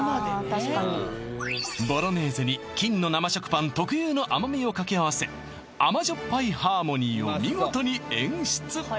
確かにボロネーゼに金の生食パン特有の甘みを掛け合わせ甘じょっぱいハーモニーを見事に演出